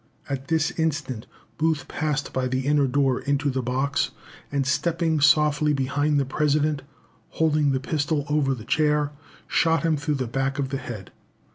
At this instant Booth passed by the inner door into the box, and stepping softly behind the President, holding the pistol over the chair, shot him through the back of the head.